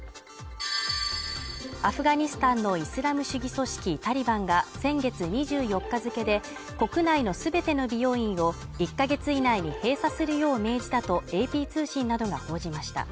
アフガニスタンのイスラム主義組織タリバンが先月２４日付けで国内の全ての美容院を１ヶ月以内に閉鎖するよう命じたとＡＰ通信などが報じました